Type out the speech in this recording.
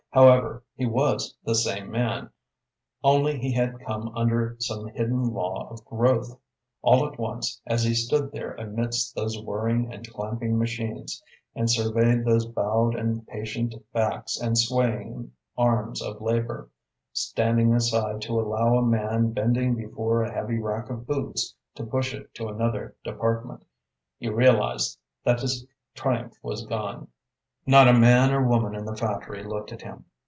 However, he was the same man, only he had come under some hidden law of growth. All at once, as he stood there amidst those whirring and clamping machines, and surveyed those bowed and patient backs and swaying arms of labor, standing aside to allow a man bending before a heavy rack of boots to push it to another department, he realized that his triumph was gone. Not a man or woman in the factory looked at him.